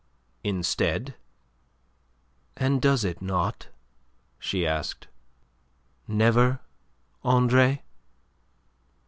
Instead "And does it not?" she asked. "Never, Andre?"